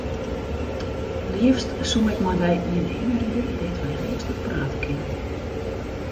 Leafst soe ik mei dy earne hinne ride dêr't wy rêstich prate kinne.